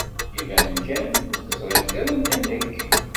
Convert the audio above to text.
Iban kan ur teẓrimt ara anta nekk.